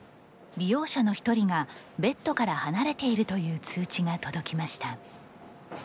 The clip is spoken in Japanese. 利用者の一人がベッドから離れているという通知が届きました。